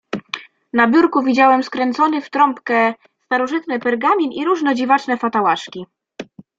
"Na biurku widziałem skręcony w trąbkę starożytny pergamin i różne dziwaczne fatałaszki."